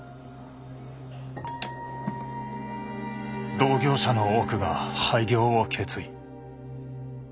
同業者の多くが廃業を決意。